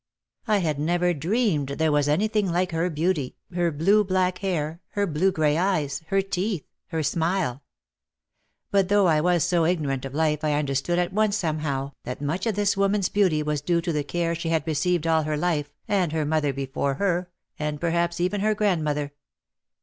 I had never dreamed there was anything like her beauty, her blue black hair, her blue grey eyes, her teeth, her smile. But though I was so ignorant of life I under stood at once, somehow, that much of this woman's beauty was due to the care she had received all her life, and her mother before her, and perhaps even her grand mother.